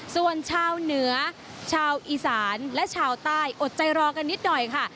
ส่วนชาวเหนือชาวอีสานและชาวใต้อดใจรอกันนิดหน่อยค่ะ